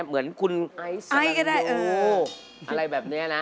เหมือนคุณไอซ์ก็ได้เอออะไรแบบนี้นะ